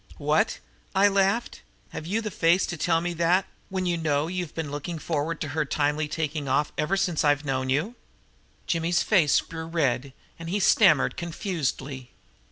"What!" I laughed. "Have you the face to tell me that, when you know you've been looking forward to her timely taking off ever since I've known you?" Jimmy's face grew red and he stammered confusedly.